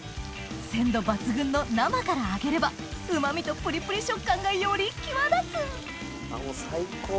鮮度抜群の生から揚げればうま味とプリプリ食感がより際立つ！最高！